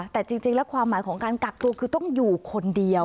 แต่จริงแล้วความหมายของการกักตัวคือต้องอยู่คนเดียว